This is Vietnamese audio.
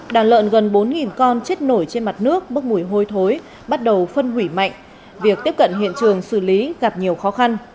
đàn lợn gần bốn con chết nổi trên mặt nước bốc mùi hôi thối bắt đầu phân hủy mạnh việc tiếp cận hiện trường xử lý gặp nhiều khó khăn